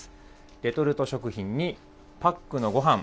レトルト食品にパックのごはん。